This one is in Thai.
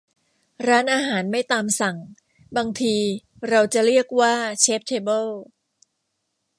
ร้านอาหารไม่ตามสั่ง บางทีเราจะเรียกว่าเชพเทเบิล